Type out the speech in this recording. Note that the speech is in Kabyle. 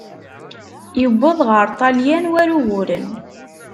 Yewweḍ ɣer Ṭṭalyan war uguren.